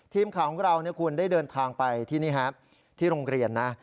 ทีมข่าวของเราคุณได้เดินทางไปที่นี่ครับที่โรงเรียนนะ